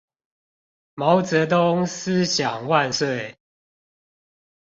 毛澤東思想萬歲